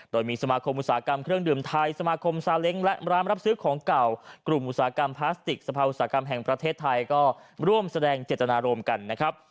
โดยมีสมาคมอุตสาหกรรมเครื่องดื่มไทยสมาคมซาเล้งและร้านรับซื้อของเก่ากลุ่มอุตสาหกรรมพลาสติกสภาอุตสาหกรรมแห่งประเทศไทยก็ร่วมแสดงเจตนารมณ์กันนะครับ